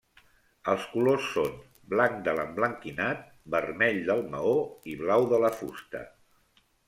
Els colors són: blanc de l'emblanquinat, vermell del maó i blau de la fusta.